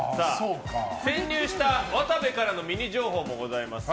潜入した渡部からのミニ情報もあります。